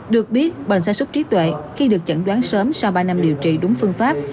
được biết bệnh gia súc trí tuệ khi được chẩn đoán sớm sau ba năm điều trị đúng phương pháp